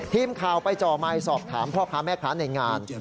ทีมข่าวไปจ่อไมค์สอบถามพ่อค้าแม่ค้าในงาน